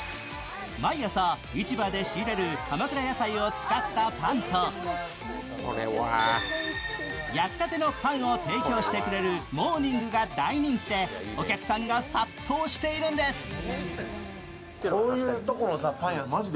毎朝、市場で仕入れる鎌倉野菜を使ったパンと焼きたてのパンを提供してくれるモーニングが大人気でお客さんが殺到しているんです。